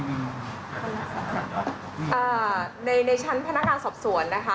ในในชั้นพนักงานสอบสวนนะคะ